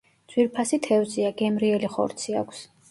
ძვირფასი თევზია, გემრიელი ხორცი აქვს.